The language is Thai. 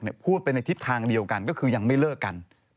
พูดไปในทิศทางเดียวกันก็คือยังไม่เลิกกัน